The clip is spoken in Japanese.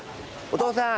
お父さん！